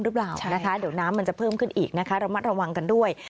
หรือเปล่านะคะเดี๋ยวน้ำมันจะเพิ่มขึ้นอีกนะคะระมัดระวังกันด้วย